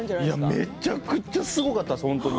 めちゃくちゃすごかったです。